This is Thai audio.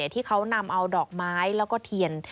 ที่เขานำเอาดอกไม้แล้วก็เทียน